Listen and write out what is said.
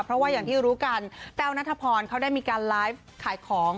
เพราะว่าอย่างที่รู้กันแต้วนัทพรเขาได้มีการไลฟ์ขายของ